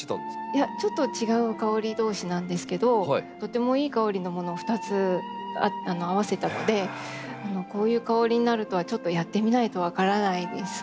いやちょっと違う香り同士なんですけどとてもいい香りのものを２つ合わせたのでこういう香りになるとはちょっとやってみないと分からないんですが。